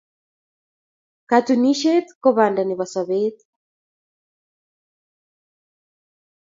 Katunisyet ko banda nebo sobeet.